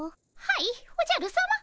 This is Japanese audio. はいおじゃるさま。